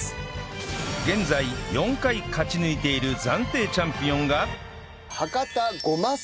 現在４回勝ち抜いている暫定チャンピオンが